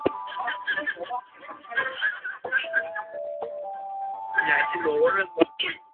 暗色真巨口鱼为辐鳍鱼纲巨口鱼目巨口鱼科的其中一种。